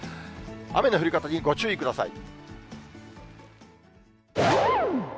雨の降り方にご注意ください。